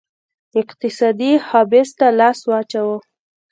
اقتصادي حبس ته لاس واچاوه